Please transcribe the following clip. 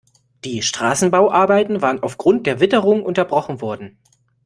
Die Straßenbauarbeiten waren aufgrund der Witterung unterbrochen worden.